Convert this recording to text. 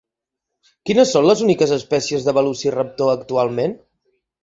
Quines són les úniques espècies de Velociraptor actualment?